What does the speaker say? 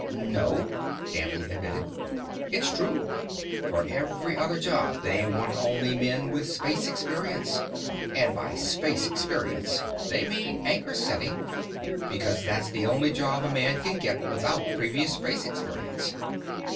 "No," Danley admitted. "It's true. For every other job, they want only men with space experience. And by 'space experience' they mean anchor setting, because that's the only job a man can get without previous space experience.